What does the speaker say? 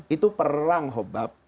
itu perang khobbab